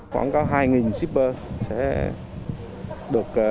khoảng có hai shipper sẽ được